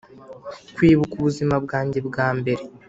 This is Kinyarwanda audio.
kwibuka ubuzima bwanjye bwambere